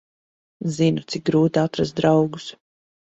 Zinu, cik grūti atrast draugus.